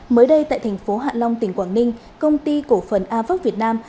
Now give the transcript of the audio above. mới đây tại thành phố hạ long tỉnh quảng ninh công ty cổ phần avac việt nam